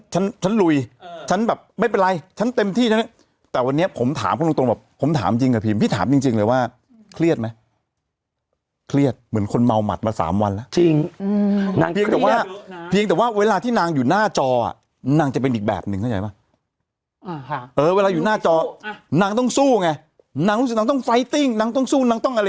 ฉันฉันลุยฉันแบบไม่เป็นไรฉันเต็มที่ฉันแต่วันเนี้ยผมถามเขาตรงตรงแบบผมถามจริงกับพี่พี่ถามจริงจริงเลยว่าเครียดไหมเครียดเหมือนคนเมาหมัดมาสามวันแล้วจริงอืมเพียงแต่ว่าเพียงแต่ว่าเวลาที่นางอยู่หน้าจออ่ะนางจะเป็นอีกแบบหนึ่งเข้าใจไหมอ่าฮะเออเวลาอยู่หน้าจอนางต้องสู้ไงนางรู้สึกนางต้